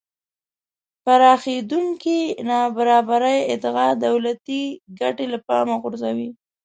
پراخېدونکې نابرابرۍ ادعا دولتی ګټې له پامه غورځوي